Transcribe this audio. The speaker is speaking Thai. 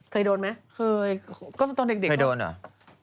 เคยโดนไหมเคยก็ตอนเด็กเด็กเคยโดนเหรอ